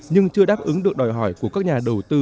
nhưng chưa đáp ứng được đòi hỏi của các nhà đầu tư